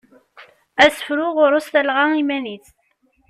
Asefru ɣur-s talɣa iman-is.